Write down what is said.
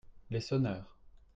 Les sonneurs.